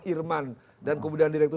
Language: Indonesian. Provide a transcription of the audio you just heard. irman dan kemudian direktur